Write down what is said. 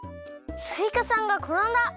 すいかさんがころんだ。